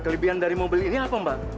kelebihan dari mobil ini apa mbak